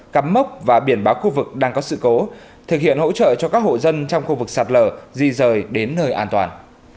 cắm mốc và biển báo khu vực đang có sự cố thực hiện hỗ trợ cho các hộ dân trong khu vực sạt lở di rời đến nơi an toàn